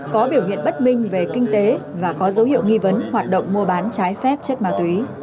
có biểu hiện bất minh về kinh tế và có dấu hiệu nghi vấn hoạt động mua bán trái phép chất ma túy